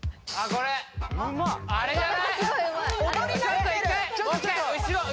これあれじゃない？